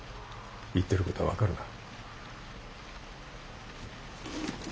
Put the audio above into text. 言ってることは分かるな？